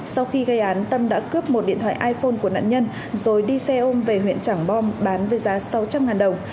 sau khi gây án tâm đã cướp một điện thoại iphone của nạn nhân rồi đi xe ôm về huyện trảng bom bán với giá sáu trăm linh đồng